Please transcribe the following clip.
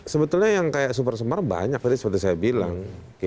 sebetulnya yang kayak supersemar banyak seperti saya bilang